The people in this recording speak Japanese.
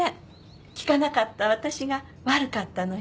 聞かなかった私が悪かったのよ。